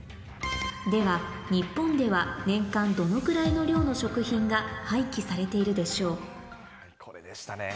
では、日本では年間、どのくらいの量の食品が廃棄されているでしこれでしたね。